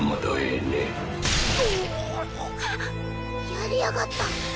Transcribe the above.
やりやがった。